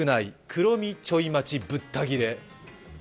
くろみ、ちょい待ち、ぶった切れ。